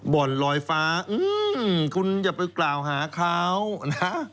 บ่อนลอยฟ้าคุณอย่าไปกล่าวหาเขานะ